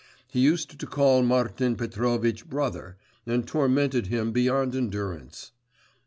He used to call Martin Petrovitch brother, and tormented him beyond endurance.